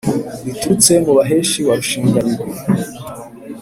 riturutse mu baheshi wa rushingabigwi